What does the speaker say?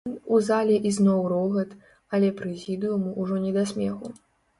У зале ізноў рогат, але прэзідыуму ўжо не да смеху.